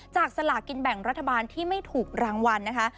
สลากินแบ่งรัฐบาลที่ไม่ถูกรางวัลนะคะ